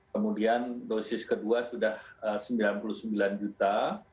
kemudian dosis kedua sudah sembilan puluh sembilan juta